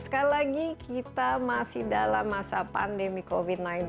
sekali lagi kita masih dalam masa pandemi covid sembilan belas